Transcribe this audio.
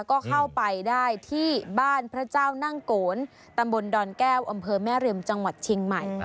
ก็เข้าไปได้ที่บ้านพระเจ้านั่งโกนตำบลดอนแก้วอำเภอแม่ริมจังหวัดเชียงใหม่